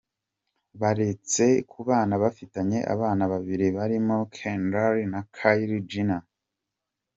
Baretse kubana bafitanye abana babiri barimo Kendall na Kylie Jenner.